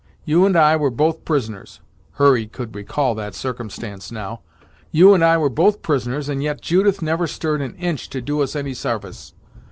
You and I were both prisoners " Hurry could recall that circumstance now "you and I were both prisoners and yet Judith never stirred an inch to do us any sarvice!